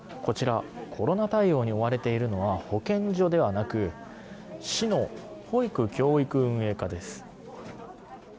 こちらコロナ対応に追われているのは保健所ではなく市の保育・教育運営課です。